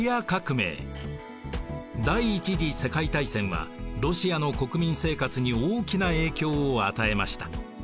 第一次世界大戦はロシアの国民生活に大きな影響を与えました。